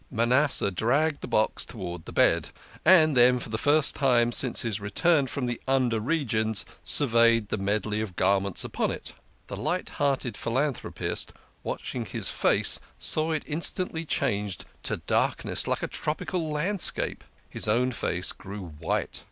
Manasseh dragged the box towards the bed, and then for 36 THE KING OF SCHNORRERS. the first time since his return from the under regions, sur veyed the medley of garments upon it The light hearted philanthropist, watching his face, saw it instantly change to darkness, like a tropical landscape. His own face grew white.